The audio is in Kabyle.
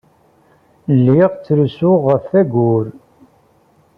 Lliɣ ttrusuɣ ɣef wayyur.